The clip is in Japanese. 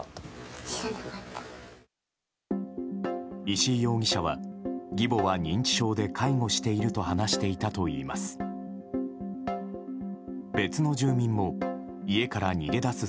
石井容疑者は義母は認知症で介護していると話していたといいます。